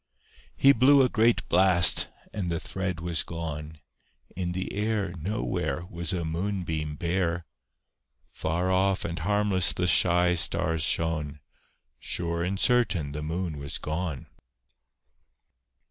He blew a great blast, and the thread was gone; In the air Nowhere Was a moonbeam bare; Far off and harmless the shy stars shone; Sure and certain the Moon was gone.